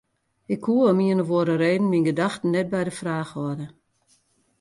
Ik koe om ien of oare reden myn gedachten net by de fraach hâlde.